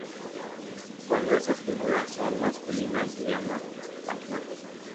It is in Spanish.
Cuando esas figuras son masculinas se llaman atlantes.